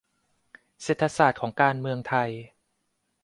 - เศรษฐศาสตร์ของการเมืองไทย